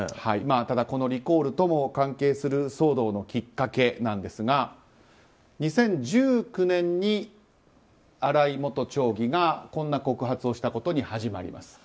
ただこのリコールとも関係する騒動のきっかけなんですが２０１９年に新井元町議がこんな告発をしたことに始まります。